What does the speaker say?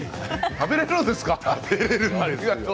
食べられるんですか？